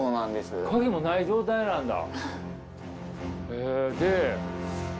鍵もない状態なんだ。